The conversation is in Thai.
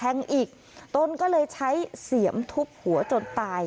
อีกตนก็เลยใช้เสียมทุบหัวจนตาย